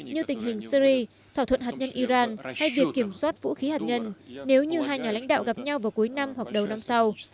như tình hình syri thỏa thuận hạt nhân iran hay việc kiểm soát vũ khí hạt nhân nếu như hai nhà lãnh đạo gặp nhau vào cuối năm hoặc đầu năm sau